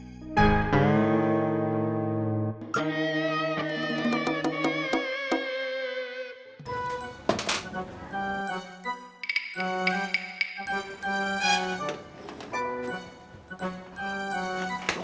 dia peroleh ng viewers subscribe ya kok